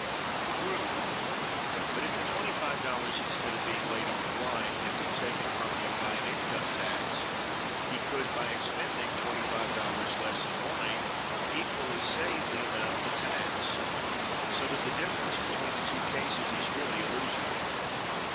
True, but if the [$25], instead of being laid on wine, had been taken from him by an income tax, he could, by expending [$25] less in wine, equally save the amount of the tax, so that the difference between the two cases is really illusory.